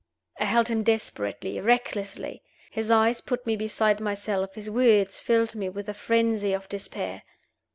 I held him desperately, recklessly. His eyes, put me beside myself; his words filled me with a frenzy of despair.